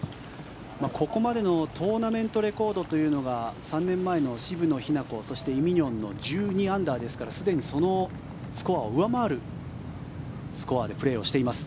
ここまでのトーナメントレコードというのが３年前の渋野日向子そしてイ・ミニョンの１２アンダーですからすでにそのスコアを上回るスコアでプレーをしています。